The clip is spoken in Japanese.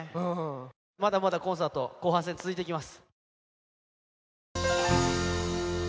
まだまだコンサート、後半戦、続いていきます。